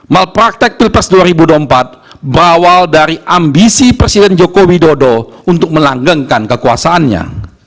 malpraktek pilpres dua ribu dua puluh empat berawal dari ambisi presiden joko widodo untuk melanggengkan kekuasaannya